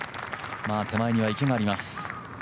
手前には池があります。